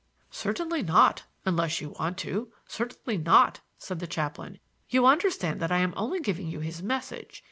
"Certainly not, unless you want to—certainly not," said the chaplain. "You understand that I'm only giving you his message.